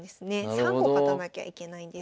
３個勝たなきゃいけないんです。